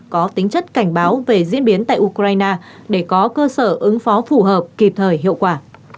có tính chất cảnh báo về diễn biến tại ukraine để có cơ sở ứng phó phù hợp kịp thời hiệu quả